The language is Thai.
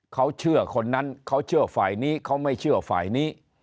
เขาเชื่อคนนั้นเขาเชื่อฝ่ายนี้เขาไม่เชื่อฝ่ายนี้